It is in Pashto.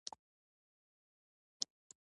رومیان له عقیدې سره خوړل کېږي